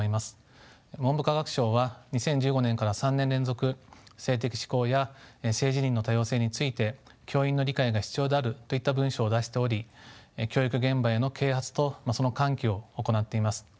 文部科学省は２０１５年から３年連続性的指向や性自認の多様性について教員の理解が必要であるといった文書を出しており教育現場への啓発とその喚起を行っています。